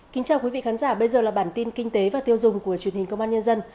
kính chào quý vị khán giả bây giờ là bản tin kinh tế và tiêu dùng của truyền hình công an nhân dân